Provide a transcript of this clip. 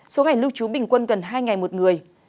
số ngày lưu trú bình quân gần hai ngày một người